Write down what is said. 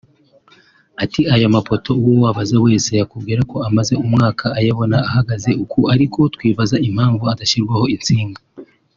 Ati “Aya mapoto uwo wabaza wese yakubwira ko amaze umwaka ayabona ahagaze uku ariko twibaza imapmvu badashyiraho intsinga